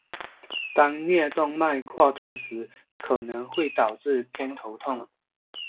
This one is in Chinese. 当颞动脉扩大时可能会造成偏头痛。